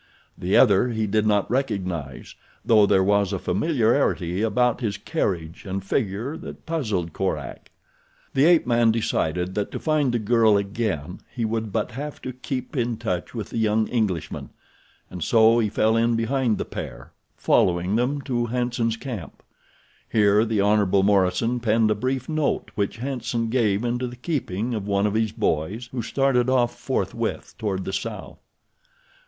The other he did not recognize though there was a familiarity about his carriage and figure that puzzled Korak. The ape man decided that to find the girl again he would but have to keep in touch with the young Englishman, and so he fell in behind the pair, following them to Hanson's camp. Here the Hon. Morison penned a brief note, which Hanson gave into the keeping of one of his boys who started off forthwith toward the south.